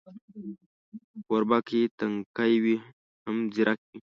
کوربه که تنکی وي، هم ځیرک وي.